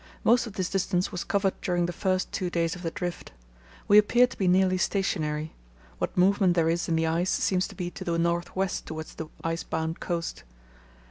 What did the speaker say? Most of this distance was covered during the first two days of the drift. We appear to be nearly stationary. What movement there is in the ice seems to be to the north west towards the ice bound coast.